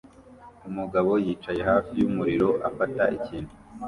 Umugabo yicaye hafi yumuriro afata ikintu